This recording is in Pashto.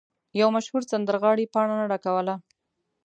یو مشهور سندرغاړی پاڼه نه ډکوله.